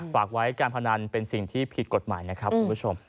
ฝากไว้การพนันเป็นสิ่งที่ผิดกฎหมายนะครับคุณผู้ชม